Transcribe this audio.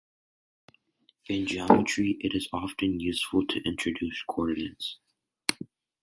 In geometry, it is often useful to introduce coordinates.